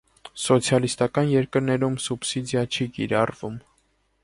Սոցիալիստական երկրներում սուբսիդիա չի կիրառվում։